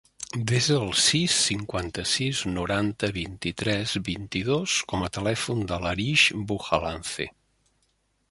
Desa el sis, cinquanta-sis, noranta, vint-i-tres, vint-i-dos com a telèfon de l'Arij Bujalance.